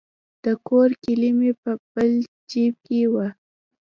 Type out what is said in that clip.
د کور کیلي مې په بل جیب کې وه.